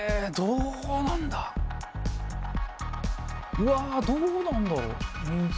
うわどうなんだろ水。